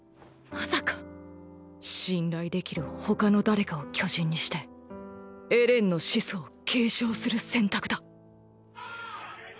まさか⁉信頼できる他の誰かを巨人にしてエレンの「始祖」を継承する選択だ。